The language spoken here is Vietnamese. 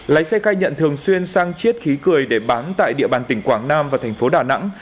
lái xe khai nhận thường xuyên sang chiết khí cười để bán tại địa bàn tỉnh quảng nam và thành phố đà nẵng